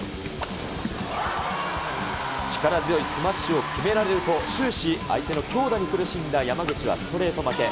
力強いスマッシュを決められると、終始、相手の強打に苦しんだ山口はストレート負け。